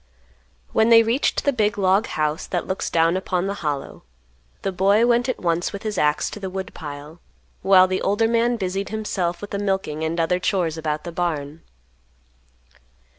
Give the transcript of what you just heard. When they reached the big log house that looks down upon the Hollow, the boy went at once with his axe to the woodpile, while the older man busied himself with the milking and other chores about the barn.